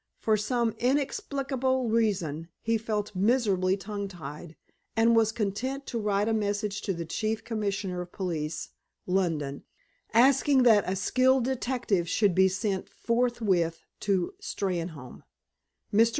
For some inexplicable reason, he felt miserably tongue tied, and was content to write a message to the Chief Commissioner of Police, London, asking that a skilled detective should be sent forthwith to Steynholme. Mr.